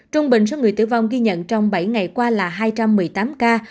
trung bình số người tử vong ghi nhận trong bảy ngày qua là hai trăm một mươi tám ca